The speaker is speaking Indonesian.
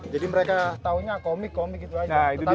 jadi mereka tahunya komik komik gitu aja